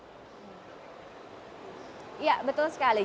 jadi kalau kemarin saya berbicara dengan ketua wisata